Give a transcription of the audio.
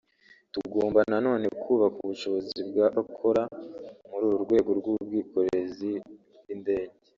tugomba na none kubaka ubushobozi bw’abakora muri uru rwego bw’ubwikorezi bw’indege